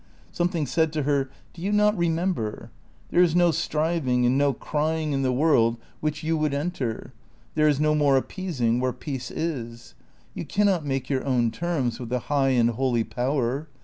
Something said to her: "Do you not remember? There is no striving and no crying in the world which you would enter. There is no more appeasing where peace is. You cannot make your own terms with the high and holy Power.